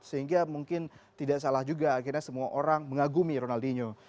sehingga mungkin tidak salah juga akhirnya semua orang mengagumi ronaldinho